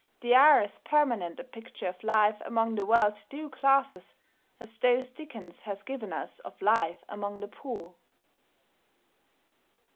They are as permanent a picture of life among the well to do classes as those Dickens has given us of life among the poor.